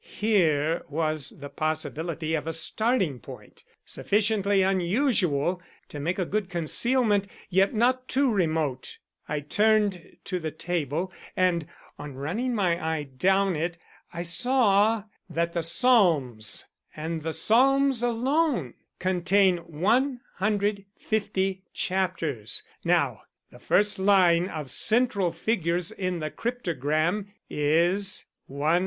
Here was the possibility of a starting point, sufficiently unusual to make a good concealment, yet not too remote. I turned to the table, and, on running my eye down it, I saw that the Psalms, and the Psalms alone, contain 150 chapters. Now, the first line of central figures in the cryptogram is 150.